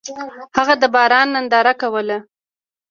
هغه د باران ننداره کوله.